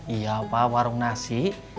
iya pak warung nasi